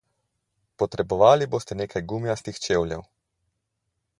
Potrebovali boste nekaj gumijastih čevljev.